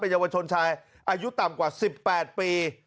เยาวชนชายอายุต่ำกว่า๑๘ปี